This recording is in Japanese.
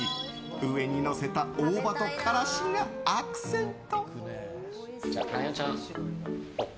上にのせた大葉とからしがアクセント。